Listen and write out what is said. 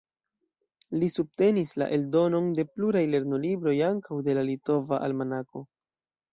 Li subtenis la eldonon de pluraj lernolibroj, ankaŭ de la "Litova Almanako".